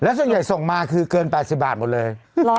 ส่วนใหญ่ส่งมาคือเกิน๘๐บาทหมดเลย